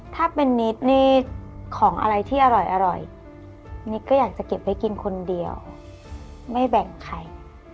ถ้าเป็นนิดนี่ของอะไรที่อร่อยนิดก็อยากจะเก็บไว้กินคนเดียวไม่แบ่งใคร